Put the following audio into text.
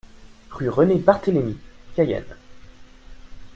Rue René Barthélémi, Cayenne